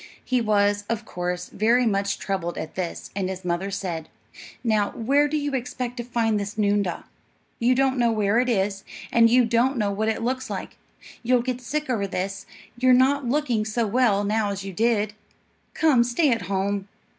He was, of course, very much troubled at this; and his mother said, "Now, where do you expect to find this noondah? You don't know where it is, and you don't know what it looks like. You'll get sick over this; you're not looking so well now as you did. Come, stay at home."